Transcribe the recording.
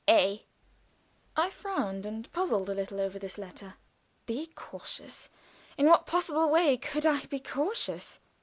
"A." I frowned and puzzled a little over this letter. Be cautious? In what possible way could I be cautious?